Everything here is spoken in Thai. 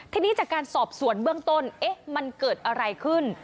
ทีนี้จากการสอบสวนเบื้องต้นมันเกิดอะไรขึ้น